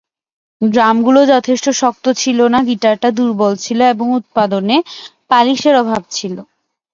ড্রামগুলো যথেষ্ট শক্ত ছিল না, গিটারটা দুর্বল ছিল এবং উৎপাদনে পালিশের অভাব ছিল।